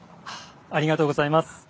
ありがとうございます。